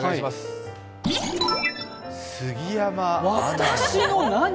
私の何？